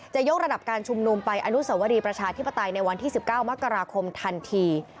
จะยกระดับการชุมนุมไปอนุสวรีประชาธิปไตยในวันที่๑๙มกราคมทันที